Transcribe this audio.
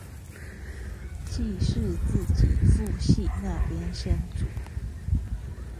既是自己父系那邊先祖